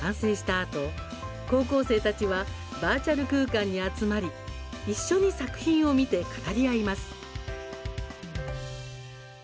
あと高校生たちはバーチャル空間に集まり一緒に作品を見て語り合います。